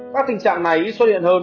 các tình trạng này ít xuất hiện hơn